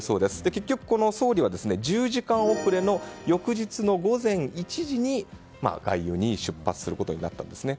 結局、総理は１０時間遅れの翌日の午前１時に外遊に出発することになったんですね。